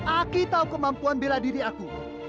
aku tahu kemampuan bela diri aku